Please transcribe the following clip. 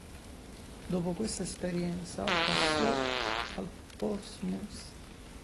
Dopo questa esperienza, passò al Portsmouth.